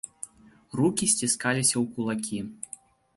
Рукі сціскаліся ў кулакі.